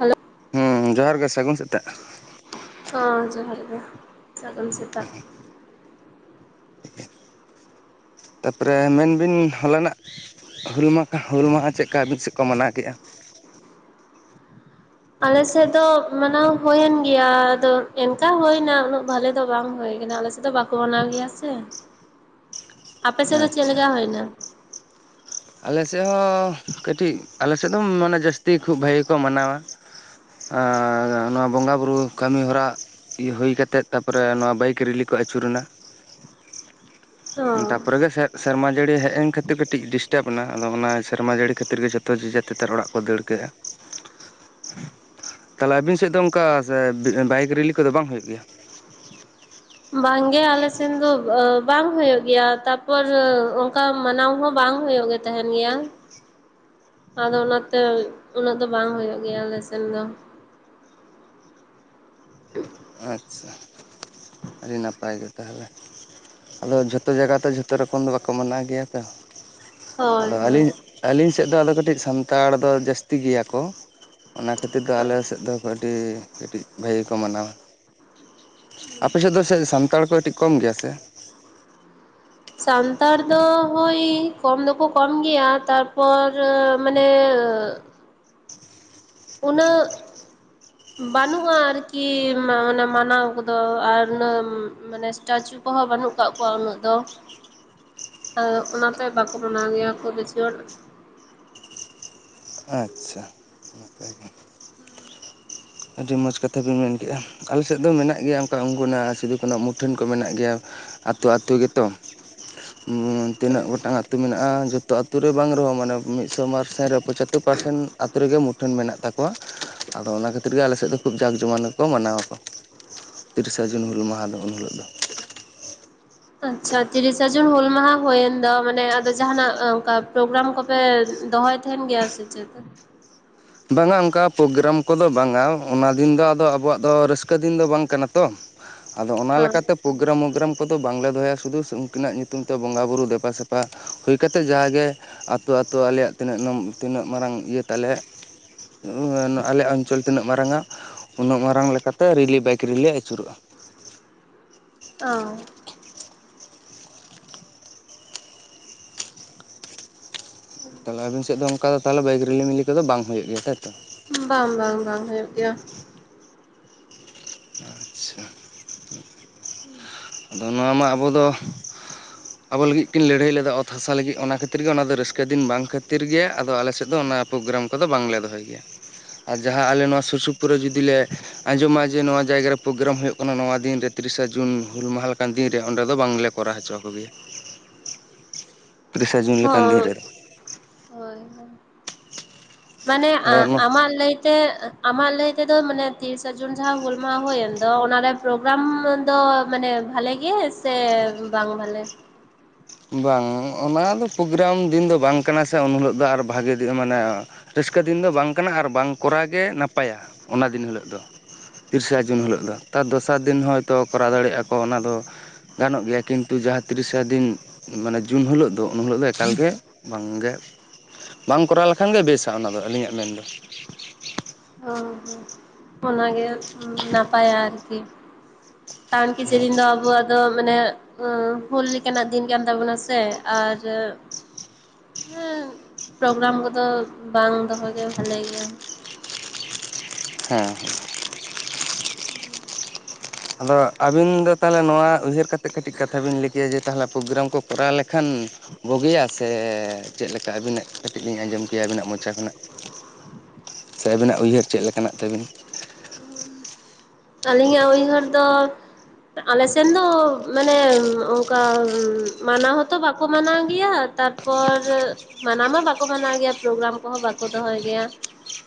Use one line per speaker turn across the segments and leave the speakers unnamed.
Hello
ᱦᱩᱸ ᱡᱚᱦᱟᱨ ᱜᱮ ᱥᱟᱹᱜᱩᱱ ᱥᱮᱛᱟᱜ
ᱦᱮᱴᱩᱸ ᱡᱚᱦᱟᱨ ᱜᱮ ᱥᱟᱹᱜᱩᱱ ᱥᱮᱛᱟᱜ
ᱛᱟᱨᱯᱚᱨᱮ ᱢᱮᱱ ᱵᱤᱱ ᱦᱚᱞᱟᱱᱟᱜ ᱦᱩᱞ ᱢᱟᱦᱟ ᱦᱩᱞ ᱢᱟᱦᱟ ᱪᱮᱫ ᱞᱮᱠᱟ ᱟᱹᱵᱤᱱ ᱥᱮᱫ ᱠᱚ ᱢᱟᱱᱟᱣ ᱠᱮᱜ-ᱟ
[inaudible] ᱟᱞᱮᱥᱮᱫ ᱫᱚ ᱢᱟᱱᱟᱣ ᱦᱩᱭᱮᱱ ᱜᱮᱭᱟ ᱟᱫᱚ ᱮᱱᱠᱟ ᱦᱩᱭᱱᱟ ᱩᱱᱟᱹᱜ ᱵᱷᱟᱞᱮ ᱫᱚ ᱵᱟᱝ ᱦᱩᱭᱱᱟ ᱟᱞᱮ ᱥᱮᱫ ᱫᱚ ᱵᱟᱠᱚ ᱢᱟᱱᱟᱣ ᱜᱮᱭᱟ ᱥᱮ ᱟᱯᱮ ᱥᱮᱫ ᱫᱚ ᱪᱮᱫ
ᱟᱪᱪᱷᱟ
ᱞᱮᱠᱟ ᱦᱩᱭ ᱮᱱᱟ
ᱟᱞᱮ ᱥᱮᱫ ᱦᱚᱸ ᱠᱟᱹᱴᱤᱡ ᱟᱞᱮ ᱥᱮᱫ ᱫᱚ ᱢᱟᱱᱮ ᱡᱟᱹᱥᱛᱤ ᱠᱷᱩᱵ ᱵᱷᱟᱹᱜᱮ ᱠᱚ ᱢᱟᱱᱟᱣᱟ ᱟᱨ ᱱᱚᱣᱟ ᱵᱚᱸᱜᱟᱼᱵᱩᱨᱩ ᱠᱟᱹᱢᱤᱦᱚᱨᱟ ᱦᱩᱭ ᱠᱟᱛᱮᱫ ᱛᱟᱨᱯᱚᱨᱮ ᱱᱚᱣᱟ ᱵᱟᱭᱤᱠ ᱨᱮᱞᱤ ᱠᱚ ᱟᱹᱪᱩᱨᱱᱟ
[inaudible] ᱚ
ᱛᱟᱨᱯᱚᱨᱮᱜᱮ ᱥᱮᱨᱢᱟ ᱡᱟᱹᱲᱤ ᱦᱮᱡ ᱮᱱ ᱠᱷᱟᱹᱛᱤᱨ ᱠᱟᱹᱴᱤᱡ ᱚᱱᱟ ᱟᱫᱚ ᱚᱱᱟ ᱥᱮᱨᱢᱟ ᱡᱟᱹᱲᱤ ᱠᱷᱟᱹᱛᱤᱨ ᱜᱮ ᱡᱷᱚᱛᱚ ᱡᱮ ᱡᱟᱨ ᱛᱮ ᱚᱲᱟᱜ ᱠᱚ ᱫᱟᱹᱲ ᱠᱮᱜᱼᱟ
[inaudible] [inaudible]
ᱛᱟᱦᱞᱮ ᱟᱵᱤᱱ ᱥᱮᱫ ᱫᱚ ᱚᱱᱠᱟ ᱵᱟᱭᱤᱠ ᱨᱮᱞᱤᱤ ᱠᱚᱫᱚ ᱵᱟᱝ ᱦᱩᱭᱩᱜ ᱜᱮᱭᱟ
ᱵᱟᱝᱜᱮ ᱟᱞᱮ ᱥᱮᱱ ᱫᱚ ᱵᱟᱝ ᱦᱩᱭᱩᱜ ᱜᱮᱭᱟ ᱛᱟᱨᱯᱚᱨ ᱚᱱᱠᱟ ᱢᱟᱱᱟᱣ ᱦᱚᱸ ᱵᱟᱝ ᱵᱟᱝ ᱦᱩᱭᱩᱜ ᱜᱮ ᱛᱟᱦᱮᱱ ᱜᱮᱭᱟ ᱟᱫᱚ ᱚᱱᱟᱛᱮ ᱩᱱᱟᱹᱜ ᱫᱚ ᱵᱟᱝ ᱦᱩᱭᱩᱜ ᱜᱮᱭᱟ ᱟᱞᱮ ᱥᱮᱱ ᱫᱚ [inaudible] [inaudible]
ᱟᱪᱪᱷᱟ ᱟᱹᱰᱤ ᱱᱟᱯᱟᱭ ᱜᱮ ᱛᱟᱦᱚᱞᱮ ᱟᱫᱚ ᱡᱷᱚᱛᱚ ᱡᱟᱭᱜᱟ ᱛᱚ ᱡᱷᱚᱛᱚ ᱨᱚᱠᱚᱢ ᱫᱚ ᱵᱟᱠᱚ ᱢᱟᱱᱟᱣ ᱜᱮᱭᱟ ᱛᱚ
ᱦᱳᱭ
ᱟᱫᱚ
ᱦᱳᱭ
ᱟᱹᱞᱤᱧ ᱟᱹᱞᱤᱧ ᱥᱮᱫ ᱫᱚ ᱟᱫᱚ ᱠᱟᱹᱴᱤᱡ ᱥᱟᱱᱛᱟᱲ ᱫᱚ ᱡᱟᱹᱥᱛᱤ ᱜᱮᱭᱟ ᱠᱚ ᱚᱱᱟ ᱠᱷᱟᱹᱛᱤᱨ ᱫᱚ ᱟᱞᱮ ᱥᱮᱫ ᱫᱚ ᱠᱟᱹᱴᱤᱡ ᱠᱟᱹᱴᱤᱡ ᱵᱷᱟᱜᱮ ᱠᱚ ᱢᱟᱱᱟᱣᱟ ᱟᱯᱮ ᱥᱮᱫ ᱫᱚ ᱥᱟᱱᱛᱟᱲ ᱠᱚ ᱠᱟᱹᱴᱤᱡ ᱠᱚᱢ ᱜᱮᱭᱟ ᱥᱮ
ᱥᱟᱱᱛᱟᱲ ᱫᱚ ᱦᱳᱭ ᱠᱚᱢ ᱫᱚᱠᱚ ᱠᱚᱢ ᱜᱮᱭᱟ ᱛᱟᱨᱯᱚᱨ ᱢᱟᱱᱮ ᱫᱚ ᱩᱹᱱᱟᱹᱜ ᱵᱟᱹᱱᱩᱜᱼᱟ ᱟᱨᱠᱤ ᱢᱟᱱᱮ ᱢᱟᱱᱟᱣ ᱠᱚᱫᱚ ᱟᱨ ᱢᱟᱱᱮᱴᱪᱩ [unintelligible] ᱠᱚᱦᱚᱸ ᱵᱟᱹᱱᱩᱜ ᱠᱟᱜ ᱠᱚᱣᱟ ᱩᱱᱟᱹᱜ ᱫᱚ [unintelligible] ᱚᱱᱟᱛᱮ ᱵᱟᱠᱚ ᱢᱟᱱᱟᱣ ᱜᱮᱭᱟ ᱠᱚ ᱵᱮᱥᱤ ᱦᱚᱲ
ᱟᱪᱪᱷᱟ ᱱᱟᱯᱟᱭ ᱜᱮ ᱟᱹᱰᱤ ᱢᱚᱸᱡᱽ ᱠᱟᱛᱷᱟ ᱵᱤᱱ ᱢᱮᱱ ᱠᱮᱫᱼᱟ ᱟᱞᱮ ᱥᱮᱫ ᱫᱚ ᱢᱮᱱᱟᱜ ᱜᱮᱭᱟ ᱚᱱᱠᱟ ᱩᱱᱠᱩᱱᱟᱜ ᱥᱤᱫᱩ ᱠᱟᱱᱩ ᱟᱜ ᱢᱩᱴᱷᱟᱹᱱ ᱠᱚ ᱢᱮᱱᱟᱜ ᱜᱮᱭᱟ ᱟᱛᱳ ᱟᱛᱳ ᱜᱮᱛᱚ
[inaudible] [inaudible]
ᱦᱩᱸ ᱛᱤᱱᱟᱹᱜ ᱜᱚᱴᱟᱝ ᱟ ᱟᱹᱛᱩ ᱢᱮᱱᱟᱜᱼᱟ ᱡᱚᱛᱚ ᱟᱛᱩ ᱨᱮ ᱵᱟᱝ ᱨᱮᱦᱚᱸ ᱢᱟᱱᱮ ᱢᱤᱫ ᱢᱤᱫᱥᱚ ᱯᱟᱨᱥᱮᱱ ᱨᱮ ᱯᱚᱸᱪᱟᱛᱳᱨ ᱯᱟᱨᱥᱮᱱ ᱟᱛᱳ ᱨᱮᱜᱮ ᱢᱩᱴᱷᱟᱹᱱ ᱢᱮᱱᱟᱜ ᱛᱟᱠᱚᱣᱟ ᱟᱫᱚ ᱚᱱᱟ ᱠᱷᱟᱹᱛᱤᱨ ᱠᱷᱟᱹᱛᱤᱨ ᱜᱮ ᱟᱞᱮ ᱥᱮᱫ ᱫᱚ ᱠᱷᱩᱵ ᱡᱟᱠ ᱡᱚᱢᱚᱠ ᱠᱚ ᱢᱟᱱᱟᱣ ᱟᱠᱚ ᱛᱤᱨᱤᱥᱟ ᱡᱩᱱ ᱦᱩᱞ ᱢᱟᱦᱟ ᱫᱚ ᱩᱱ ᱦᱤᱞᱳᱜ ᱫᱚ
ᱟᱪᱪᱷᱟ ᱛᱤᱨᱤᱥᱟ ᱡᱩᱱ ᱦᱩᱞ ᱢᱟᱦᱟ ᱦᱩᱭᱮᱱ ᱫᱚ ᱢᱟᱱᱮ ᱟᱫᱚ ᱡᱟᱸᱦᱱᱟᱜ ᱚᱱᱠᱟ ᱯᱨᱳᱜᱨᱟᱢ ᱠᱚᱯᱮ ᱫᱚᱦᱚᱭ ᱛᱟᱦᱮᱱ ᱜᱮᱭᱟ ᱥᱮᱪᱮᱫ
ᱵᱟᱝ-ᱟ ᱚᱱᱠᱟ ᱯᱨᱳᱜᱨᱟᱢ ᱠᱚᱫᱚ ᱵᱟᱝᱼᱟ ᱚᱱᱟ ᱫᱤᱱ ᱫᱚ ᱟᱫᱚ ᱟᱵᱚᱣᱟᱜ ᱫᱚ ᱨᱟᱹᱥᱠᱟᱹ ᱫᱤᱱ ᱫᱚ ᱵᱟᱝ ᱠᱟᱱᱟ ᱛᱚ ᱟᱫᱚ ᱚᱱᱟ ᱞᱮᱠᱟᱛᱮ ᱯᱨᱳᱜᱨᱟᱢ ᱢᱳᱜᱨᱟᱢ ᱫᱚ ᱵᱟᱝᱞᱮ ᱫᱚᱦᱚᱭᱟ ᱥᱩᱫᱷᱩ ᱩᱱᱠᱤᱱᱟᱜ ᱧᱩᱛᱩᱢ ᱛᱮ ᱵᱚᱸᱜᱟ ᱵᱩᱨᱩ ᱫᱮᱵᱟ ᱥᱮᱵᱟ ᱦᱩᱭ ᱠᱟᱛᱮ ᱡᱟᱜᱮ ᱟᱛᱳ ᱟᱛᱚ ᱟᱞᱮᱭᱟᱜ ᱛᱤᱱᱟᱹᱜ ᱛᱤᱱᱟᱹᱜ ᱢᱟᱨᱟᱝ ᱤᱭᱟᱹ ᱛᱟᱞᱮ ᱟᱞᱮ ᱚᱧᱪᱚᱞ ᱛᱤᱱᱟᱹᱜ ᱢᱟᱨᱟᱝ ᱟ ᱩᱱᱟᱹᱜ ᱢᱟᱨᱟᱝ ᱞᱮᱠᱟᱛᱮ ᱨᱮᱞᱤ ᱵᱟᱭᱤᱠ ᱨᱮᱞᱤ ᱟᱹᱪᱩᱨᱚᱜᱼᱟ
ᱚ
ᱛᱟᱦᱚᱞᱮ ᱟᱵᱤᱱ ᱥᱮᱫ ᱫᱚ ᱚᱱᱠᱟ ᱫᱚ ᱛᱟᱦᱚᱞᱮ ᱵᱟᱭᱤᱠ ᱨᱮᱞᱤᱢᱤᱞᱤ ᱠᱚᱫᱚ ᱵᱟᱝ ᱦᱩᱭᱩᱜ ᱜᱮᱭᱟ ᱛᱟᱭᱛᱚ
ᱵᱟᱝ ᱵᱟᱝ ᱵᱟᱝ ᱦᱩᱭᱩᱜ ᱜᱮᱭᱟ
ᱟᱪᱪᱷᱟ ᱟᱫᱚ ᱱᱚᱣᱟ ᱢᱟ ᱟᱵᱚ ᱫᱚ ᱟᱵᱚ ᱞᱟᱹᱜᱤᱫ ᱠᱤᱱ ᱞᱟᱹᱲᱦᱟᱹᱭ ᱞᱮᱫᱟ ᱚᱛ ᱦᱟᱥᱟ ᱞᱟᱹᱜᱤᱫ ᱚᱱᱟ ᱠᱷᱟᱹᱛᱤᱨ ᱜᱮ ᱚᱱᱟ ᱫᱚ ᱨᱟᱹᱥᱠᱟᱹ ᱫᱤᱱ ᱵᱟᱝ ᱠᱷᱟᱹᱛᱤᱨ ᱜᱮ ᱟᱫᱚ ᱟᱞᱮ ᱥᱮᱫ ᱫᱚ ᱚᱱᱟ ᱯᱨᱳᱜᱨᱟᱢ ᱠᱚᱫᱚ ᱵᱟᱝᱞᱮ ᱫᱚᱦᱚᱭ ᱜᱮᱭᱟ ᱟᱨ ᱡᱟᱦᱟᱸᱞ ᱟᱞᱮ ᱱᱚᱣᱟ ᱥᱩᱨ ᱥᱩ ᱯᱩᱨᱟᱹ ᱡᱩᱫᱤ ᱞᱮ ᱟᱸᱡᱚᱢᱟ ᱡᱮ ᱱᱚᱣᱟ ᱡᱟᱭᱜᱟ ᱯᱨᱳᱜᱨᱟᱢ ᱦᱩᱭᱩᱜ ᱠᱟᱱᱟ ᱱᱚᱣᱟ ᱫᱤᱱ ᱨᱮ ᱛᱤᱨᱤᱥᱟ ᱡᱩᱱ ᱦᱩᱞ ᱢᱟᱦᱟ ᱞᱮᱠᱟᱱ ᱫᱤᱱ ᱨᱮ ᱚᱸᱰᱮ ᱫᱚ ᱵᱟᱝᱞᱮ ᱠᱚᱨᱟᱣ ᱦᱚᱪᱚ ᱟᱠᱚ ᱜᱮᱭᱟ ᱛᱤᱨᱤᱥᱟ ᱡᱩᱱ ᱞᱮᱠᱟᱱ ᱫᱤᱱ
ᱦᱳᱭ
ᱨᱮᱫᱚ
ᱦᱳᱭ ᱦᱳᱭ ᱢᱟᱱᱮ
ᱟᱫᱚ
ᱟ-ᱟᱢᱟᱜ ᱞᱟᱹᱭᱛᱮ ᱟᱢᱟᱜ ᱞᱟᱹᱭᱛᱮᱫᱚ ᱢᱟᱱᱮ ᱛᱤᱨᱤᱥᱟ ᱡᱩᱱ ᱡᱟᱦᱟᱸ ᱦᱩᱞ ᱢᱟᱦᱟ ᱦᱩᱭᱮᱱ ᱫᱚ ᱚᱱᱟᱨᱮ ᱯᱨᱳᱜᱨᱟᱢ ᱫᱚ ᱢᱟᱱᱮ ᱵᱷᱟᱞᱮ ᱜᱮ ᱥᱮ ᱵᱟᱝ ᱵᱷᱟᱞᱮ
ᱵᱟᱝ ᱚᱱᱟ ᱫᱚ ᱯᱨᱳᱜᱨᱟᱢ ᱫᱤᱱ ᱫᱚ ᱵᱟᱝ ᱠᱟᱱᱟ ᱥᱮ ᱩᱱᱦᱤᱞᱳ ᱫᱚ ᱟᱨ ᱵᱷᱟᱜᱮ [inaudible] ᱢᱟᱱᱮ ᱨᱟᱹᱥᱠᱟᱹ ᱫᱤᱱ ᱫᱚ ᱵᱟᱝ ᱠᱟᱱᱟ ᱟᱨ ᱵᱟᱝ ᱠᱚᱨᱟᱣ ᱜᱮ ᱱᱟᱯᱟᱭᱟ ᱚᱱᱟ ᱫᱤᱱ ᱦᱤᱞᱳᱜ ᱫᱚ ᱛᱤᱨᱤᱥᱟ ᱡᱩᱱ ᱦᱤᱞᱳᱜ ᱫᱚ ᱛᱟᱨ ᱫᱚᱥᱟᱨ ᱫᱤᱱ ᱦᱚᱭᱛᱳ ᱠᱚᱨᱟᱣ ᱫᱟᱲᱮᱭᱟᱜᱼᱟ ᱠᱚ ᱚᱱᱟ ᱫᱚ ᱜᱟᱱᱚᱜ ᱜᱮᱭᱟ ᱠᱤᱱᱛᱩ ᱡᱟᱦᱟᱸ ᱛᱤᱨᱤᱥᱟ ᱫᱤᱱ ᱢᱟᱱᱮ ᱡᱩᱱ ᱦᱤᱞᱳᱜ ᱫᱚ ᱩᱱ ᱦᱤᱞᱳᱜ ᱫᱚ ᱮᱠᱟᱞᱜᱮ ᱵᱟᱝᱜᱮ ᱵᱟᱝ ᱠᱚᱨᱟᱣ ᱞᱮᱠᱷᱟᱱ ᱜᱮ ᱵᱮᱥᱼᱟ ᱚᱱᱟ ᱫᱚ ᱟᱹᱞᱤᱧᱟᱜ ᱢᱮᱱᱫᱚ
ᱦᱚᱸ ᱦᱚᱸ ᱚᱱᱟ ᱜᱮ ᱱᱟᱯᱟᱭᱟ ᱟᱨᱠᱤ ᱠᱟᱱ ᱠᱤ ᱪᱤᱨᱤᱧ ᱫᱚ ᱟᱵᱚᱣᱟᱜ ᱫᱚ ᱢᱟᱱᱮ ᱦᱩᱞ ᱞᱮᱠᱟᱱᱟᱜ ᱫᱤᱱ ᱠᱟᱱ ᱛᱟᱵᱳᱱᱟᱥᱮ ᱟᱨ ᱦᱮᱸ ᱯᱨᱳᱜᱨᱟᱢ ᱠᱚᱫᱚ ᱵᱟᱝ ᱫᱚᱦᱚ ᱜᱮ ᱵᱷᱟᱞᱮ ᱜᱮᱭᱟ
ᱦᱮᱸ ᱦᱮᱸ [unintelligible] ᱟᱫᱚ ᱟᱹᱵᱤᱱ ᱫᱚ ᱛᱟᱦᱚᱞᱮ ᱱᱚᱣᱟ ᱩᱭᱦᱟᱹᱨ ᱠᱟᱛᱮᱫ ᱠᱟᱹᱴᱤᱡ ᱠᱟᱛᱷᱟ ᱵᱤᱱ ᱞᱟᱹᱭ ᱠᱮᱭᱟ ᱡᱮ ᱛᱟᱦᱚᱞᱮ ᱯᱨᱳᱜᱨᱟᱢ ᱠᱚ ᱠᱚᱨᱟᱣ ᱞᱮᱠᱷᱟᱱ ᱵᱩᱜᱤᱭᱟ ᱥᱮ ᱪᱮᱫ ᱞᱮᱠᱟ ᱟᱹᱵᱤᱱᱟᱜ ᱠᱟᱹᱴᱤᱡ ᱞᱤᱧ ᱟᱸᱡᱚᱢ ᱠᱮᱭᱟ ᱟᱹᱵᱤᱱᱟᱜ ᱢᱚᱪᱟ ᱠᱷᱚᱱᱟᱜ
[unintelligible]
ᱥᱮ ᱟᱵᱤᱱᱟᱜ ᱩᱭᱦᱟᱹᱨ ᱪᱮᱫ ᱞᱮᱠᱟᱱᱟᱜ ᱛᱟᱹᱵᱤᱱ
ᱟᱹᱞᱤᱧᱟᱜ ᱩᱭᱦᱟᱹᱨ ᱫᱚ ᱟᱞᱮ ᱥᱮᱱ ᱫᱚ ᱢᱟᱱᱮ ᱚᱝᱠᱟ ᱢᱟᱱᱟᱣ ᱦᱚᱸᱛᱚ ᱵᱟᱠᱚ ᱢᱟᱱᱟᱣ ᱜᱮᱭᱟ ᱛᱟᱨᱯᱚᱨ ᱢᱟᱱᱟᱣ ᱢᱟ ᱵᱟᱠᱚ ᱢᱟᱱᱟᱣ ᱜᱮᱭᱟ ᱯᱨᱳᱜᱨᱟᱢ ᱠᱚᱦᱚᱸ ᱵᱟᱠᱚ ᱫᱚᱦᱚᱭ ᱜᱮᱭᱟ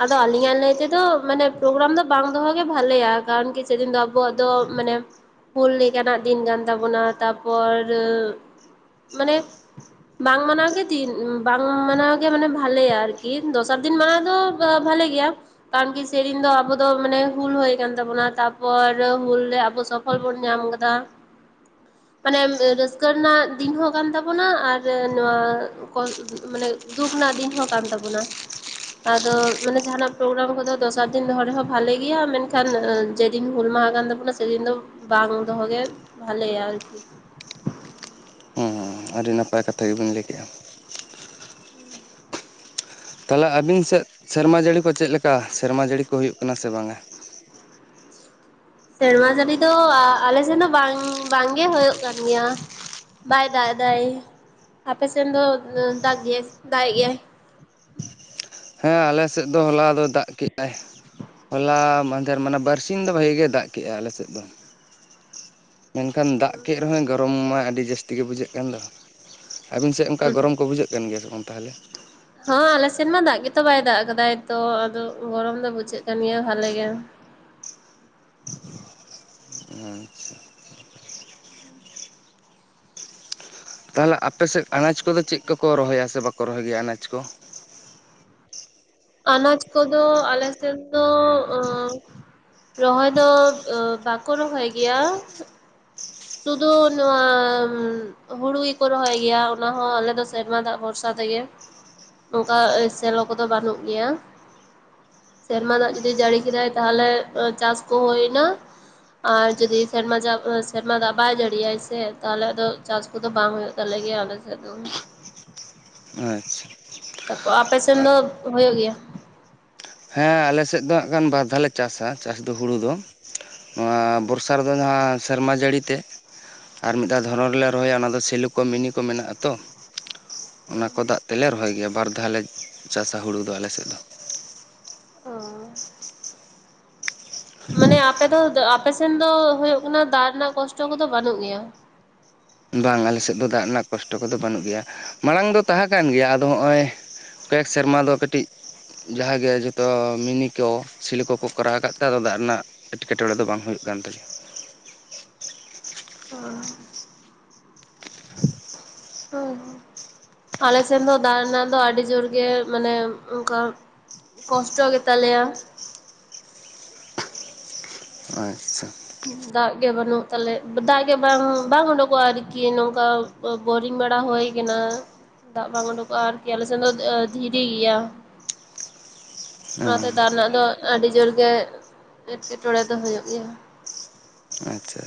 ᱟᱫᱚ ᱟᱞᱤᱧᱟᱜ ᱞᱮᱭ ᱛᱮᱫᱚ ᱫᱚ ᱢᱟᱱᱮ ᱯᱨᱳᱜᱨᱟᱢ ᱫᱚ ᱵᱟᱝ ᱫᱚᱦᱚᱜᱮ ᱵᱷᱟᱞᱮᱭᱟ ᱠᱟᱨᱚᱱ ᱠᱤ ᱥᱮᱫᱤᱱ ᱫᱚ ᱟᱵᱚᱣᱟᱜ ᱫᱚ ᱢᱟᱱᱮ ᱦᱩᱞ ᱞᱮᱠᱟᱱᱟᱜ ᱫᱤᱱ ᱠᱟᱱ ᱛᱟᱵᱳᱱᱟ ᱛᱟᱨᱯᱚᱨ ᱢᱟᱱᱮ ᱵᱟᱝ ᱢᱟᱱᱟᱣ ᱜᱮ ᱫᱤᱱ ᱵᱟᱝ ᱢᱟᱱᱟᱣ ᱜᱮ ᱢᱟᱱᱮ ᱵᱷᱟᱞᱮᱭᱟ ᱟᱨᱠᱤ ᱫᱚᱥᱟᱨ ᱫᱤᱱ ᱢᱟᱱᱟᱣ ᱫᱚ ᱵᱷᱟᱞᱮ ᱜᱮᱭᱟ ᱠᱟᱨᱚᱱ ᱠᱤ ᱥᱮᱫᱤᱱ ᱫᱚ ᱟᱵᱚ ᱫᱚ ᱢᱟᱱᱮ ᱦᱩᱞ ᱦᱳᱭ ᱠᱟᱱ ᱛᱟᱵᱚᱱᱟ ᱛᱟᱯᱚᱨ ᱦᱩᱞ ᱨᱮ ᱟᱵᱚ ᱥᱚᱯᱷᱚᱞ ᱵᱚᱱ ᱧᱟᱢᱟ ᱠᱟᱫᱟ ᱢᱟᱱᱮ ᱨᱟᱹᱥᱠᱟᱹ ᱨᱮᱱᱟᱜ ᱫᱤᱱ ᱦᱚᱸ ᱠᱟᱱ ᱛᱟᱵᱚᱱᱟ ᱟᱨ ᱱᱚᱣᱟ [inaudible] ᱢᱟᱱᱮ ᱫᱩᱠ ᱫᱤᱱ ᱦᱚᱸ ᱠᱟᱱ ᱛᱟᱵᱚᱱᱟ ᱟᱫᱚ ᱡᱟᱦᱱᱟᱜ ᱯᱨᱳᱜᱨᱟᱢ ᱠᱚ ᱫᱚᱥᱟᱨ ᱫᱤᱱ ᱫᱚᱦᱚ ᱨᱮᱦᱚᱸ ᱵᱷᱟᱞᱮ ᱜᱮᱭᱟ ᱢᱮᱱᱠᱷᱟᱱ ᱡᱮᱫᱤᱱ ᱦᱩᱞ ᱢᱟᱦᱟ ᱠᱟᱱ ᱛᱟᱵᱚᱱᱟ ᱥᱮᱫᱤᱱ ᱫᱚ ᱵᱟᱝ ᱫᱚᱦᱚ ᱵᱷᱟᱞᱮᱭᱟ ᱟᱨᱠᱤ
ᱦᱮᱸ ᱟᱹᱰᱤ ᱱᱟᱯᱟᱭ ᱠᱟᱛᱷᱟ ᱜᱮᱵᱤᱱ ᱞᱟᱹᱭ ᱠᱮᱜᱼᱟ ᱛᱟᱦᱚᱞᱮ ᱟᱹᱵᱤᱱ ᱥᱮᱫ ᱥᱮᱨᱢᱟ ᱡᱟᱹᱲᱤ ᱠᱚ ᱪᱮᱫ ᱞᱮᱠᱟ ᱥᱮᱨᱢᱟ ᱡᱟᱹᱲᱤ ᱠᱚ ᱦᱩᱭᱩᱜ ᱠᱟᱱᱟ ᱥᱮ ᱵᱟᱝᱟ
ᱥᱮᱨᱢᱟ ᱡᱟᱹᱲᱤ ᱫᱚ ᱟᱞᱮ ᱥᱮᱱ ᱫᱚ ᱵᱟᱝ ᱵᱟᱝᱜᱮ ᱦᱳᱭᱳᱜ ᱠᱟᱱ ᱜᱮᱭᱟ ᱵᱟᱭ ᱫᱟᱜ ᱮ ᱫᱟᱭ ᱟᱯᱮ ᱥᱮᱱ ᱫᱚ ᱫᱟᱜ ᱜᱮᱟᱭ ᱫᱟᱜ ᱮᱜ ᱜᱮᱭᱟᱭ [inaudible]
ᱦᱮᱸ ᱟᱞᱮ ᱥᱮᱫ ᱫᱚ ᱦᱚᱞᱟ ᱫᱚ ᱫᱟᱜ ᱠᱮᱜ ᱟᱭ ᱦᱚᱞᱟ ᱢᱟᱫᱷᱮᱨ ᱢᱟᱱᱮ ᱵᱟᱨᱥᱤᱧ ᱫᱚ ᱵᱷᱟᱜᱮ ᱜᱮ ᱫᱟᱜ ᱠᱮᱜᱼᱟ ᱟᱞᱮ ᱥᱮᱫ ᱫᱚ ᱢᱮᱱᱠᱷᱟᱱ ᱫᱟᱜ ᱠᱮᱫ ᱨᱮᱦᱚᱸᱭ ᱜᱚᱨᱚᱢ ᱢᱟ ᱟᱹᱰᱤ ᱡᱟᱹᱥᱛᱤ ᱜᱮ ᱵᱩᱡᱷᱟᱹᱜ ᱠᱟᱱ ᱫᱚ ᱟᱹᱵᱤᱱ ᱥᱮᱫ ᱚᱱᱠᱟ
ᱦᱩᱸ
ᱜᱚᱨᱚᱢ ᱠᱚ ᱵᱩᱡᱷᱟᱹᱜ ᱠᱟᱱ ᱜᱮᱭᱟ ᱥᱮ ᱵᱟᱝ ᱛᱟᱦᱟᱞᱮ
ᱛᱚ ᱵᱟᱭ ᱫᱟᱜ ᱠᱟᱫᱟᱭ ᱛᱚ ᱟᱫᱚ ᱜᱚᱨᱚᱢ ᱫᱚ ᱵᱩᱡᱷᱟᱹᱜ ᱠᱟᱱ ᱜᱮᱭᱟ ᱵᱷᱟᱞᱮ ᱜᱮ [inaudible]
ᱟᱪᱪᱷᱟ ᱛᱟᱦᱚᱞᱮ ᱟᱯᱮ ᱥᱮᱫ ᱟᱱᱟᱡ ᱠᱚᱫᱚ ᱪᱮᱫ ᱠᱚᱠᱚ ᱨᱚᱦᱚᱭᱟ ᱥᱮ ᱵᱟᱠᱚ ᱨᱚᱦᱚᱭ ᱜᱮᱭᱟ ᱟᱱᱟᱡᱽ ᱠᱚ
ᱟᱱᱟᱡ ᱠᱚᱫᱚ ᱟᱞᱮ ᱥᱮᱫ ᱫᱚ ᱚᱸ ᱨᱚᱦᱚᱭ ᱫᱚ ᱵᱟᱠᱚ ᱨᱚᱦᱚᱭ ᱜᱮᱭᱟ ᱥᱩᱫᱷᱩ ᱱᱚᱶᱟ ᱦᱩᱲᱩ ᱜᱮᱠᱚ ᱨᱚᱦᱚᱭ ᱜᱮᱭᱟ ᱚᱱᱟᱦᱚᱸ ᱟᱞᱮ ᱥᱮᱨᱢᱟ ᱫᱟᱜ ᱵᱷᱚᱨᱥᱟ ᱜᱮ ᱚᱱᱠᱟ ᱥᱮᱞᱚ ᱠᱚᱫᱚ ᱵᱟᱹᱱᱩᱜ ᱜᱮᱭᱟ ᱥᱮᱨᱢᱟ ᱫᱟᱜ ᱡᱩᱫᱤ ᱡᱟᱹᱲᱤ ᱠᱮᱫᱟᱭ ᱛᱟᱦᱞᱮ ᱪᱟᱥ ᱠᱚ ᱦᱩᱭᱮᱱᱟ ᱟᱨ ᱡᱩᱫᱤ ᱥᱮᱨᱢᱟ ᱫᱟᱜ ᱥᱮᱨᱢᱟ ᱫᱟᱜ ᱵᱟᱭ ᱡᱟᱹᱲᱤᱭᱟᱭ ᱥᱮ ᱛᱟᱦᱞᱮ ᱟ ᱪᱟᱥ ᱠᱚᱫᱚ ᱵᱟᱝ ᱦᱩᱭᱩᱜ ᱛᱟᱞᱮ ᱜᱮᱭᱟ ᱟᱞᱮ ᱥᱮᱫ ᱫᱚ
ᱟᱪᱪᱟ
ᱛᱟᱨᱯᱚᱨ ᱟᱯᱮ ᱥᱮᱱ ᱫᱚ ᱦᱩᱭᱩᱜ ᱜᱮᱭᱟ
ᱦᱮᱸ ᱟᱞᱮ ᱥᱮᱫ ᱫᱚ ᱠᱷᱟᱱ ᱵᱟᱨ ᱫᱷᱟᱣ ᱞᱮ ᱪᱟᱥᱟ ᱪᱟᱥ ᱫᱚ ᱦᱩᱲᱩ ᱫᱚ ᱱᱚᱣᱟ ᱵᱚᱨᱥᱟ ᱨᱮᱫᱚ ᱡᱟᱦᱟᱸ ᱥᱮᱨᱢᱟ ᱡᱟᱹᱲᱤᱛᱮ ᱟᱨ ᱢᱤᱫ ᱫᱷᱟᱣ ᱫᱷᱚᱨᱚᱱ ᱨᱮᱞᱮ ᱨᱚᱦᱚᱭᱟ ᱚᱱᱟ ᱫᱚ ᱥᱮᱞᱩ ᱠᱚ ᱢᱤᱱᱤ ᱠᱚ ᱢᱮᱱᱟᱜᱼᱟ ᱟᱛᱚ ᱚᱱᱟ ᱠᱚ ᱫᱟᱜ ᱛᱮᱞᱮ ᱨᱚᱦᱚᱭ ᱜᱮᱭᱟ ᱵᱟᱨ ᱫᱷᱟᱣ ᱞᱮ ᱪᱟᱥᱟ ᱦᱩᱲᱩ ᱫᱚ ᱟᱞᱮ ᱥᱮᱫ ᱫᱚ
ᱚ ᱢᱟᱱᱮ ᱟᱯᱮ ᱫᱚ ᱟᱯᱮ ᱥᱮᱱ ᱫᱚ ᱦᱳᱭᱳᱜ ᱠᱟᱱᱟ ᱫᱟᱜ ᱨᱮᱱᱟᱜ ᱠᱚᱥᱴᱚ ᱠᱚᱫᱚ ᱵᱟᱹᱱᱩᱜ ᱜᱮᱭᱟ
ᱵᱟᱝ ᱟᱞᱮ ᱥᱮᱫ ᱫᱚ ᱫᱟᱜ ᱨᱮᱱᱟᱜ ᱠᱚᱥᱴᱚ ᱠᱚᱫᱚ ᱵᱟᱹᱱᱩᱜ ᱜᱮᱭᱟ ᱢᱟᱲᱟᱝ ᱫᱚ ᱛᱟᱦᱮᱸ ᱠᱟᱱ ᱜᱮᱭᱟ ᱟᱫᱚ ᱱᱚᱜᱼᱚᱭ ᱠᱚᱭᱮᱠ ᱥᱮᱨᱢᱟ ᱫᱚ ᱠᱟᱹᱴᱤᱡ ᱡᱟᱦᱟᱸᱜᱮ ᱡᱚᱛᱚ ᱢᱤᱱᱤ ᱠᱚ ᱥᱤᱞ ᱠᱚᱠᱚ ᱠᱚᱨᱟᱣ ᱟᱠᱟᱫ ᱛᱮ ᱟᱫᱚ ᱫᱟᱜ ᱨᱮᱱᱟᱜ ᱮᱴᱠᱮᱴᱚᱬᱮ ᱫᱚ ᱵᱟᱝ ᱦᱩᱭᱩᱜ ᱠᱟᱱᱟ ᱠᱟᱱ ᱛᱟᱞᱮᱭᱟ
ᱚ ᱦᱚᱸ ᱦᱚᱸ ᱟᱞᱮ ᱥᱮᱱ ᱫᱚ ᱫᱟᱜ ᱨᱮᱱᱟᱜ ᱫᱚ ᱟᱹᱰᱤ ᱡᱳᱨ ᱜᱮ ᱢᱟᱱᱮ ᱚᱱᱠᱟ ᱠᱚᱥᱴᱚ ᱜᱮᱛᱟᱞᱮᱭᱟ
ᱟᱪᱪᱷᱟ
ᱫᱟᱜ ᱜᱮ ᱵᱟᱹᱱᱩᱜ ᱛᱟᱞᱮ ᱫᱟᱜ ᱜᱮ ᱵᱟᱝ ᱵᱟᱝ ᱩᱰᱩᱠᱚᱜᱼᱟ ᱟᱨᱠᱤ ᱱᱚᱝᱠᱟ ᱵᱳᱨᱤᱝ ᱵᱮᱲᱟ ᱦᱩᱭ ᱠᱟᱱᱟ ᱫᱟᱜ ᱵᱟᱝ ᱩᱰᱩᱠᱚᱜᱼᱟ ᱟᱨᱠᱤ ᱟᱞᱮ ᱥᱮᱱ ᱫᱚ ᱫᱷᱤᱨᱤ ᱜᱮᱭᱟ ᱚᱱᱟᱛᱮ
ᱟᱪᱪᱷᱟ
ᱫᱟᱜ ᱨᱮᱱᱟᱜ ᱫᱚ ᱟᱹᱰᱤ ᱡᱳᱨ ᱜᱮ ᱮᱸᱴᱠᱮᱴᱚᱬᱮ ᱫᱚ ᱦᱩᱭᱩᱜ ᱜᱮᱭᱟ
ᱟᱪᱪᱷᱟ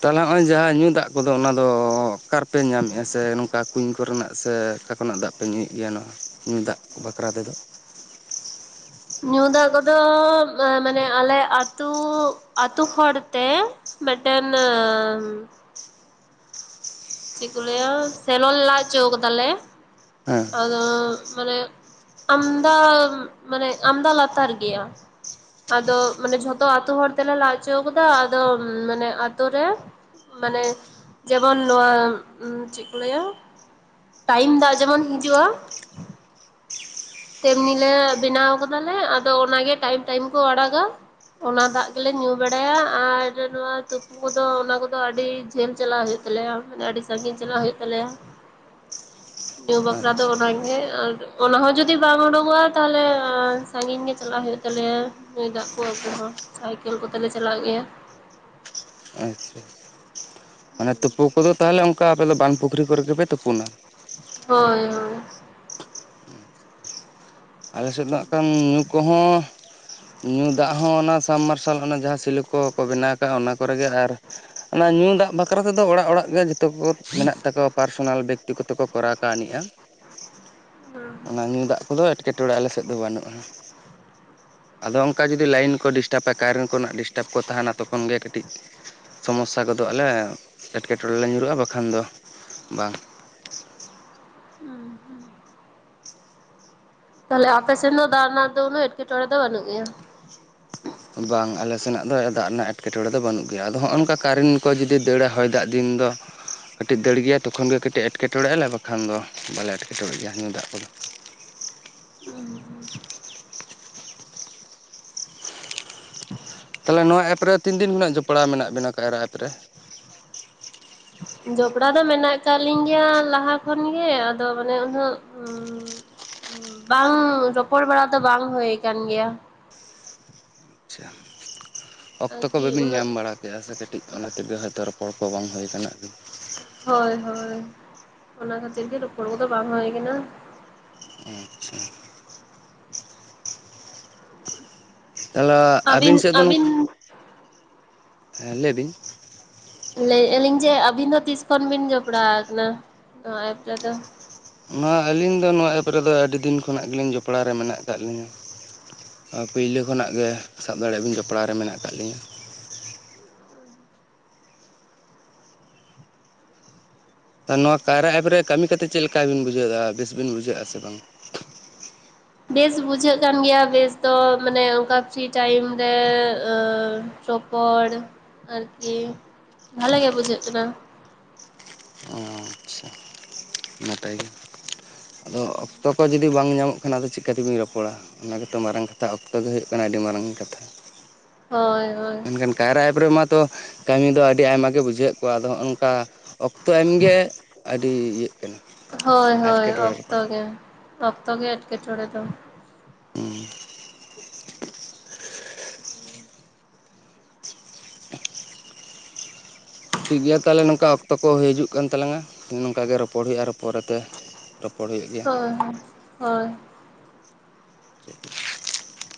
ᱛᱟᱦᱚᱞᱮ ᱱᱚᱜᱼᱚᱭ ᱡᱟᱦᱟᱸ ᱧᱩ ᱫᱟᱜ ᱠᱚᱫᱚ ᱚᱱᱟ ᱫᱚ ᱚᱠᱟ ᱠᱟᱨᱯᱮ ᱧᱟᱢᱮᱫᱼᱟ ᱥᱮ ᱱᱚᱝᱠᱟ ᱠᱩᱧ ᱠᱚᱨᱮᱱᱟᱜ ᱥᱮ ᱚᱠᱟ ᱠᱷᱚᱱᱟᱜ ᱫᱟᱜ ᱯᱮ ᱧᱩᱭᱮᱫ ᱜᱮᱭᱟ ᱱᱚᱣᱟ ᱧᱩᱭ ᱫᱟᱜ ᱵᱟᱠᱷᱨᱟ ᱛᱮᱫᱚ
ᱻ ᱧᱩ ᱫᱟᱜ ᱠᱚᱫᱚ ᱢᱟᱱᱮ ᱟᱞᱮ ᱟᱹᱛᱩ ᱟᱹᱛᱩ ᱦᱚᱲ ᱛᱮ ᱢᱤᱫᱴᱟᱝ ᱪᱮᱫ ᱠᱚ ᱞᱟᱹᱭᱟ ᱥᱮᱞᱚ ᱞᱟ ᱦᱚᱪᱚ ᱟᱠᱟᱫᱟᱞᱮ
ᱦᱮᱸ
ᱟᱫᱚ ᱢᱟᱱᱮ ᱟᱢᱫᱟ ᱢᱟᱱᱮ ᱟᱢᱫᱟ ᱞᱟᱛᱟᱨ ᱜᱮᱭᱟ ᱟᱫᱚ ᱢᱟᱱᱮ ᱡᱷᱚᱛᱚ ᱟᱛᱳ ᱦᱚᱲ ᱛᱮᱞᱮ ᱞᱟᱡ ᱦᱚᱪᱚ ᱠᱟᱫᱟ ᱟᱫᱚ ᱢᱟᱱᱮ ᱟᱛᱳ ᱨᱮ ᱢᱟᱱᱮ ᱡᱮᱢᱚᱱ ᱱᱚᱣᱟ ᱪᱮᱫ ᱠᱚ ᱞᱟᱹᱭᱟ ᱴᱟᱭᱤᱢ ᱫᱟᱜ ᱡᱮᱢᱚᱱ ᱦᱤᱡᱩᱜᱼᱟ ᱛᱮᱢᱱᱤᱞᱮ ᱵᱮᱱᱟᱣ ᱠᱟᱫᱟᱞᱮ ᱟᱫᱚ ᱚᱱᱟᱜᱮ ᱴᱟᱭᱤᱢ ᱴᱟᱭᱤᱢ ᱠᱚ ᱟᱲᱟᱜᱟ ᱚᱱᱟ ᱫᱟᱜ ᱜᱮᱞᱮ ᱧᱩ ᱵᱟᱲᱟᱭᱟ ᱟᱨ ᱱᱚᱣᱟ ᱛᱩᱯᱩ ᱠᱚᱫᱚ ᱚᱱᱟ ᱠᱚᱫᱚ ᱟᱹᱰᱤ ᱡᱷᱟᱹᱞ ᱪᱟᱞᱞᱟᱣ ᱦᱩᱭᱩᱜ ᱟ ᱦᱩᱭᱩᱜ ᱛᱟᱞᱮᱭᱟ ᱢᱟᱱᱮ ᱟᱹᱰᱤ ᱥᱟᱺᱜᱤᱧ ᱪᱟᱞᱟᱜ ᱦᱩᱭᱩᱜ ᱛᱟᱞᱮᱭᱟ ᱧᱩ ᱵᱟᱠᱷᱨᱟ ᱫᱚ
ᱟᱪᱪᱷᱟ
ᱚᱱᱟᱜᱮ ᱟᱨ ᱚᱱᱟ ᱦᱚᱸ ᱡᱩᱫᱤ ᱡᱩᱫᱤ ᱵᱟᱝᱢ ᱩᱰᱠᱚᱜᱼᱟ ᱛᱟᱦᱚᱞᱮ ᱥᱟᱺᱜᱤᱧ ᱜᱮ ᱪᱟᱞᱟᱜ ᱦᱩᱭᱩᱜ ᱛᱟᱞᱮᱭᱟ ᱧᱩᱭ ᱫᱟᱜ ᱠᱚ ᱟᱹᱜᱩ ᱦᱚᱸ ᱥᱟᱭᱠ ᱥᱟᱭᱠᱮᱞ ᱠᱚᱛᱮ ᱞᱮ ᱪᱟᱞᱟᱜ ᱜᱮᱭᱟ
ᱟᱪᱪᱷᱟ ᱢᱟᱱᱮ ᱛᱩᱯᱩ ᱠᱚᱫᱚ ᱛᱟᱦᱚᱞᱮ ᱚᱱᱠᱟ ᱟᱯᱮ ᱫᱚ ᱵᱟᱝ ᱯᱩᱠᱷᱨᱤ ᱠᱚᱨᱮ ᱜᱮᱯᱮ ᱛᱩᱯᱩᱱᱟ
ᱦᱳᱭ ᱦᱳᱭ
ᱟᱞᱮ ᱥᱮᱫ ᱫᱟᱜ ᱠᱷᱟᱱ ᱧᱩ ᱠᱚᱦᱚᱸ ᱧᱩ ᱫᱟᱜ ᱦᱚᱸ ᱚᱱᱟ ᱥᱟᱵᱢᱟᱨᱥᱟᱞ ᱚᱱᱟ ᱡᱟᱦᱟᱸ ᱥᱤᱞᱚᱠ ᱠᱚᱠᱚ ᱵᱮᱱᱟᱣ ᱠᱟᱜᱼᱟ ᱚᱱᱟ ᱠᱚᱨᱮᱜᱮ ᱟᱨ ᱧᱩ ᱫᱟᱜ ᱵᱟᱠᱷᱨᱟ ᱛᱮᱫᱚ ᱚᱲᱟᱜ ᱚᱲᱟᱜ ᱜᱮ ᱡᱚᱛᱚ ᱡᱚᱛᱚ ᱠᱚ ᱢᱮᱱᱟᱜ ᱛᱟᱠᱚᱣᱟ ᱯᱟᱨᱥᱳᱱᱟᱞ ᱵᱮᱠᱛᱤ ᱜᱚᱛᱚ ᱠᱚ ᱠᱚᱨᱟᱣ ᱠᱟᱜ ᱱᱮᱡᱼᱟ ᱚᱱᱟ ᱧᱩ ᱫᱟᱜ ᱠᱚᱫᱚ ᱮᱸᱴᱠᱮᱴᱚᱬᱮ ᱟᱞᱮ ᱥᱮᱫ ᱫᱚ ᱵᱟᱹᱱᱩᱜᱼᱟ ᱟᱫᱚ ᱚᱝᱠᱟ ᱡᱩᱫᱤ ᱞᱟᱭᱤᱱ ᱠᱚ ᱰᱤᱥᱴᱨᱟᱵᱟ ᱠᱟᱨᱮᱱ ᱠᱚᱨᱮᱱᱟᱜ ᱰᱤᱥᱴᱟᱵᱽ ᱠᱚ ᱛᱟᱸᱦᱮᱱᱟ ᱛᱚᱠᱷᱚᱱ ᱜᱮ ᱠᱟᱹᱴᱤᱡ ᱥᱚᱢᱚᱥᱥᱟ ᱜᱚᱫᱚᱜ ᱟᱞᱮ ᱮᱸᱴᱠᱮᱴᱚᱚᱲᱴᱬᱮ ᱨᱮ ᱞᱮ ᱧᱩᱨᱦᱩᱜᱼᱟ ᱵᱟᱠᱷᱟᱱ ᱫᱚ ᱵᱟᱝ
[inaudible] ᱛᱟᱞᱦᱮ ᱟᱯᱮ ᱥᱮᱱ ᱫᱚ ᱫᱟᱜ ᱨᱮᱱᱟᱜ ᱫᱚ ᱩᱱᱟᱹᱜ ᱮᱸᱴᱠᱮᱴᱚᱬᱮ ᱫᱚ ᱵᱟᱹᱱᱩᱜ ᱜᱮᱭᱟ
ᱵᱟᱝ ᱟᱞᱮ ᱥᱮᱱᱟᱜ ᱫᱚ ᱫᱟᱜ ᱨᱮᱱᱟᱜ ᱮᱴᱠᱮᱴᱚᱚᱲᱮ ᱫᱚ ᱵᱟᱹᱱᱩᱜ ᱜᱮᱭᱟ ᱟᱫᱚ ᱦᱚᱸᱜᱼᱚ ᱱᱚᱝᱠᱟ ᱠᱟᱨᱮᱱᱴ ᱠᱚ ᱡᱩᱫᱤ ᱫᱟᱹᱲᱟ ᱦᱚᱭ ᱫᱟᱜ ᱫᱤᱱ ᱩᱱ ᱫᱚ ᱠᱟᱹᱴᱤᱡ ᱫᱟᱹᱲ ᱜᱮᱭᱟ ᱛᱚᱠᱷᱚᱱ ᱜᱮ ᱠᱟᱹᱴᱤᱡ ᱮᱴᱠᱮᱴᱚᱬᱮᱜᱼᱟᱞᱮ ᱵᱟᱠᱷᱟᱱ ᱫᱚ ᱵᱟᱞᱮ ᱮᱴᱠᱮᱴᱚᱬᱮᱜ ᱜᱮᱭᱟ ᱧᱩ ᱫᱟᱜ ᱠᱚᱫᱚ
ᱦᱩᱸ
[inaudible] ᱛᱟᱦᱚᱞᱮ ᱱᱚᱣᱟ ᱮᱯ ᱨᱮ ᱛᱤᱱ ᱫᱤᱱ ᱠᱷᱚᱱᱟᱜ ᱡᱚᱯᱲᱟᱣ ᱢᱮᱱᱟᱜ ᱵᱮᱱᱟ ᱠᱟᱭᱨᱟ ᱮᱯ ᱨᱮ
ᱡᱚᱯᱲᱟᱣ ᱫᱚ ᱢᱮᱱᱟᱜ ᱟᱠᱟᱫ ᱞᱤᱧ ᱜᱮᱭᱟ ᱞᱟᱦᱟ ᱠᱷᱚᱱᱜᱮ ᱟᱫᱚ ᱚᱱᱮ ᱩᱱᱟᱹᱜ ᱵᱟᱝ ᱨᱚᱯᱚᱲ ᱵᱟᱲᱟ ᱫᱚ ᱵᱟᱝ ᱦᱩᱭᱩ ᱟᱠᱟᱱ ᱜᱮᱭᱟ
ᱟᱪᱪᱷᱟ ᱚᱠᱛᱚ ᱠᱚ
ᱟᱨᱠᱤ
ᱵᱟᱹᱵᱤᱱ
ᱩᱱᱟᱹᱜ
ᱧᱟᱢ ᱵᱟᱲᱟ ᱠᱮᱜᱼᱟ ᱥᱮ ᱠᱟᱹᱴᱤᱡ ᱚᱱᱟ ᱛᱮᱜᱮ ᱦᱚᱭᱛᱳ ᱨᱚᱯᱚᱲ ᱠᱚ ᱵᱟᱝ ᱦᱩᱭ ᱠᱟᱱᱟ ᱟᱵᱤᱱ
ᱦᱳᱭ ᱦᱳᱭ ᱚᱱᱟ ᱠᱷᱟᱹᱛᱤᱨ ᱜᱮ ᱨᱚᱯᱚᱲ ᱠᱚᱫᱚ ᱵᱟᱝ ᱦᱩᱭ ᱠᱟᱱᱟ
ᱟᱪᱪᱷᱟ ᱛᱟᱠᱦᱮ ᱟᱹᱵᱤᱱ ᱥᱮᱫ ᱫᱚ ᱱᱚᱝ ᱦᱮᱸ ᱞᱟᱹᱭ ᱫᱤᱧ
ᱞᱟᱹᱭᱮᱜᱼᱟᱞᱤᱧ ᱡᱮ ᱟᱹᱵᱤᱱ ᱫᱚ ᱛᱤᱥ ᱠᱷᱚᱱ ᱵᱤᱱ ᱡᱚᱯᱲᱟᱣ ᱟᱠᱟᱱᱟ ᱱᱚᱣᱟ ᱮᱯ ᱨᱮᱫᱚ
ᱱᱚᱣᱟ ᱟᱹᱞᱤᱧ ᱫᱚ ᱱᱚᱣᱟ ᱮᱯ ᱨᱮᱫᱚ ᱟᱹᱰᱤ ᱫᱤᱱ ᱠᱷᱚᱱᱟᱜ ᱜᱮᱞᱤᱧ ᱡᱚᱯᱲᱟᱣ ᱨᱮ ᱢᱮᱱᱟᱜ ᱟᱠᱟᱟᱫ ᱞᱤᱧᱟᱹ ᱟᱨ ᱯᱳᱭᱞᱟᱹ ᱠᱷᱚᱱᱟᱜ ᱜᱮ ᱥᱟᱵ ᱫᱟᱲᱮᱭᱟᱜ ᱵᱤᱱ ᱡᱚᱯᱲᱟᱣ ᱨᱮ ᱢᱮᱱᱟᱜ ᱠᱟᱜ ᱞᱤᱧᱟᱹ ᱟᱨ ᱱᱚᱣᱟ ᱠᱟᱭᱨᱟ ᱮᱯ ᱨᱮ ᱠᱟᱹᱢᱤ ᱠᱟᱛᱮᱫ ᱪᱮᱫ ᱞᱮᱠᱟ ᱵᱤᱱ ᱵᱩᱡᱷᱟᱹᱣᱮᱫᱟ? ᱵᱮᱥ ᱵᱤᱱ ᱵᱩᱡᱷᱟᱹᱣᱮᱜ-ᱟ ᱥᱮ ᱵᱟᱝᱟ?
[inaudible] ᱵᱮᱥ ᱵᱩᱡᱷᱟᱹᱜ ᱠᱟᱱ ᱜᱮᱭᱟ ᱵᱮᱥ ᱫᱚ ᱢᱟᱱᱮ ᱚᱝᱠᱟ ᱯᱷᱨᱤ ᱴᱟᱭᱤᱢ ᱨᱮ, ᱚᱸ ᱨᱚᱯᱚᱲ ᱟᱨᱠᱤ ᱵᱷᱟᱞᱮ ᱜᱮ ᱵᱩᱡᱷᱟᱹᱜ ᱠᱟᱱᱟ
ᱚ ᱟᱪᱪᱷᱟ ᱱᱟᱯᱟᱭ ᱜᱮ ᱟᱫᱚ ᱚᱠᱛᱚ ᱠᱚ ᱡᱩᱫᱤ ᱵᱟᱝ ᱧᱟᱢᱚᱜ ᱠᱷᱟᱱ ᱟᱫᱚ ᱪᱤᱠᱠᱟᱛᱮᱵᱤᱱ ᱨᱚᱚᱲᱟ? ᱚᱱᱟ ᱜᱮᱛᱚ ᱢᱟᱨᱟᱝ ᱠᱟᱛᱷᱟ, ᱚᱠᱛᱚ ᱜᱮ ᱦᱩᱭᱩᱜ ᱠᱟᱱᱟ ᱟᱹᱰᱤ ᱢᱟᱨᱟᱝ ᱠᱟᱛᱷᱟ᱾
[inaudible] ᱦᱳᱭ ᱦᱳᱭ
ᱢᱮᱱᱠᱷᱟᱱ ᱠᱟᱭᱨᱟ ᱮᱯ ᱨᱮᱢᱟᱛᱚ ᱠᱟᱹᱢᱤ ᱫᱚ ᱟᱹᱰᱤ ᱟᱭᱢᱟ ᱜᱮ ᱵᱩᱡᱷᱟᱹᱣᱮᱫ ᱠᱚᱣᱟ ᱟᱫᱚ ᱦᱚᱸᱜᱼᱚ ᱱᱚᱝᱠᱟ ᱚᱠᱛᱚ ᱮᱢᱜᱮ ᱟᱹᱰᱤ ᱤᱭᱟᱹᱜ ᱠᱟᱱᱟ
ᱦᱳᱭ ᱦᱳᱭ
ᱮᱴᱠᱮᱴᱚᱬᱮ ᱨᱮ
ᱚᱠᱛᱚ
ᱯᱟᱲᱟᱜ
ᱜᱮ
ᱠᱟᱱᱟ
ᱚᱠᱛᱚ ᱜᱮ ᱮᱸᱴᱠᱮᱴᱚᱬᱮ ᱫᱚ
ᱦᱩᱸ ᱴᱷᱤᱠᱜᱮᱭᱟ ᱛᱟᱞᱦᱮ ᱱᱚᱝᱠᱟ ᱚᱠᱛᱚ ᱠᱚ ᱦᱤᱡᱩᱜ ᱠᱟᱱ ᱛᱞᱟᱝᱟ, ᱱᱚᱝᱠᱟ ᱜᱮ ᱨᱚᱯᱚᱲ ᱦᱩᱭᱩᱜᱼᱟ ᱟᱨᱚ ᱯᱚᱨᱮᱛᱮ ᱨᱚᱯᱚᱲ ᱦᱩᱭᱩᱜ ᱜᱮᱭᱟ
ᱦᱳᱭ ᱦᱳᱭ ᱦᱳᱭ
[inaudible]